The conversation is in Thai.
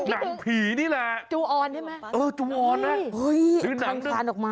นั่งผีนี่แหละเออตูออนไหมโอ้ยทานออกมา